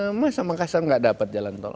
di medan sama kasar gak dapat jalan tol